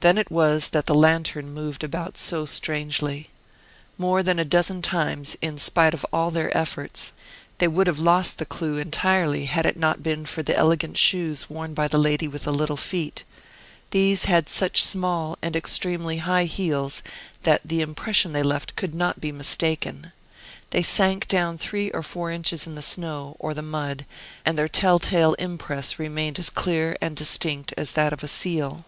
Then it was that the lantern moved about so strangely. More than a dozen times, in spite of all their efforts, they would have lost the clue entirely had it not been for the elegant shoes worn by the lady with the little feet. These had such small and extremely high heels that the impression they left could not be mistaken. They sank down three or four inches in the snow, or the mud, and their tell tale impress remained as clear and distinct as that of a seal.